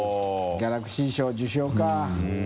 ギャラクシー賞受賞」か。